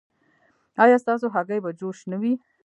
ایا ستاسو هګۍ به جوش نه وي؟